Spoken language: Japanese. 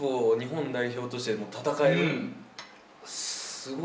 すごい。